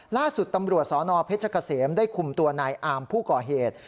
ล่าสุดตำรวจสนเพชรเกษมได้คุมตัวนายอามผู้ก่อเหตุ